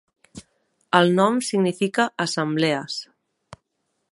El nom significa "assemblees".